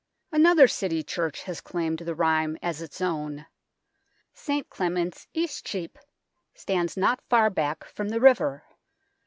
Another City church has claimed the rhyme as its own. St Clement's Eastcheap stands not far back from the river.